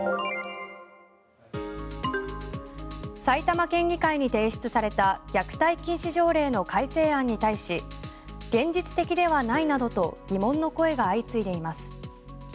埼玉県議会に提出された虐待禁止条例の改正案に対し現実的ではないなどと疑問の声が相次いでいます。